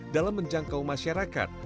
dalam menjangkau masyarakat